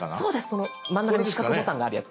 その真ん中に四角ボタンがあるやつ。